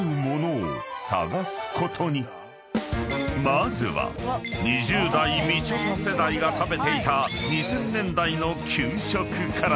［まずは２０代みちょぱ世代が食べていた２０００年代の給食から］